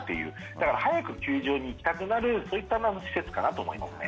だから早く球場に行きたくなるそういった施設かなと思いますね。